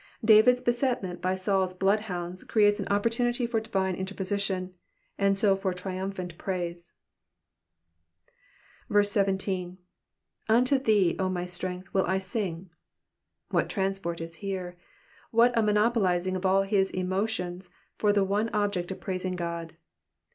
David's besetment by SauPs bloodhounds creates an opportunity for divine mterposition and so for triumphant praise. 17. ''''Unto thee, 0 my strength^ toUl I sing.'''' What transport is here ! What a monopolising of all his emotions for the one object of praising God